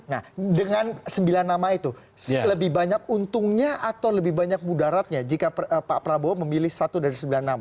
nah dengan sembilan nama itu lebih banyak untungnya atau lebih banyak mudaratnya jika pak prabowo memilih satu dari sembilan nama